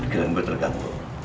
pikiran gue terganggu